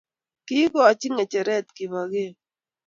Kiikoch ngecheret Kipokeo